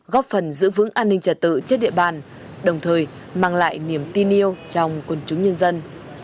góp phần giữ vững an ninh trả tự trên địa bàn đồng thời mang lại niềm tin yêu trong quân chúng nhân dân